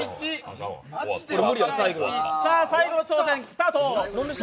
最後の挑戦、スタート。